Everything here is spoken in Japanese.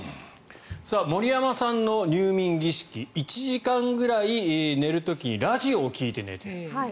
森山さんの入眠儀式１時間くらい、寝る時にラジオを聞いて寝ている。